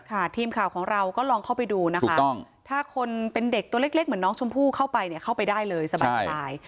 ทีมข่าวของเราก็ลองเข้าไปดูนะคะถ้าคนเป็นเด็กตัวเล็กเหมือนน้องชมพู่เข้าไปเนี่ยเข้าไปได้เลยสบาย